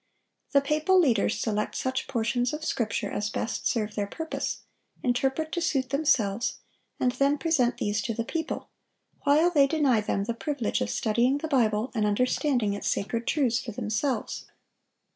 The papal leaders select such portions of Scripture as best serve their purpose, interpret to suit themselves, and then present these to the people, while they deny them the privilege of studying the Bible and understanding its sacred truths for themselves.